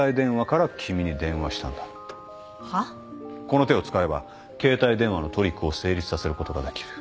この手を使えば携帯電話のトリックを成立させることができる。